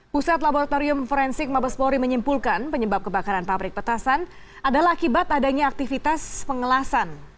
pusat laboratorium forensik mabespori menyimpulkan penyebab kebakaran pabrik petasan adalah akibat adanya aktivitas pengelasan